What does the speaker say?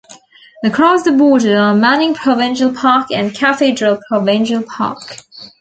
Across the border are Manning Provincial Park and Cathedral Provincial Park.